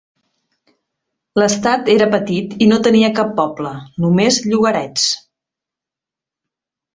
L'estat era petit i no tenia cap poble, només llogarets.